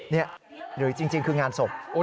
นี่หรือจริงคืองานศพ